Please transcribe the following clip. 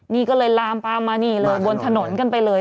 นี่ก็เลยลามปามมานี่เลยบนถนนกันไปเลย